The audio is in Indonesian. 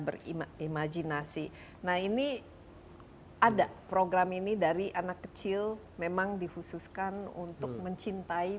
berimajinasi nah ini ada program ini dari anak kecil memang dikhususkan untuk mencintai